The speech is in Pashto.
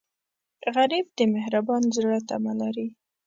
غریب د مهربان زړه تمه لري